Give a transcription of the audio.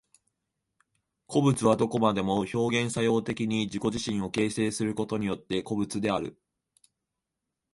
個物はどこまでも表現作用的に自己自身を形成することによって個物である。